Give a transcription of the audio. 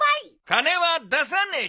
金は出さねえ！